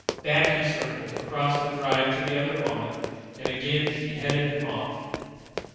Back he circled, across the drive to the other lawn, and again she headed him off.